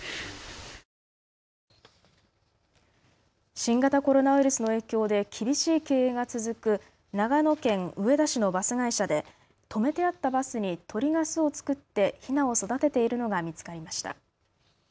新型コロナウイルスの影響で厳しい経営が続く長野県上田市のバス会社で止めてあったバスに鳥が巣を作って、ひなを育てているのが見つかりました。